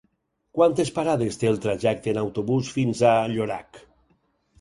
Quantes parades té el trajecte en autobús fins a Llorac?